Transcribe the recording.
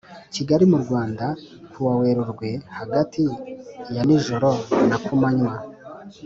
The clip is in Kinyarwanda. Kigali mu rwanda ku wa werurwe hagati yanijoro na kumanywa